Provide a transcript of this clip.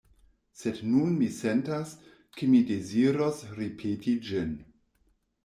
Sed nun mi sentas, ke mi deziros ripeti ĝin.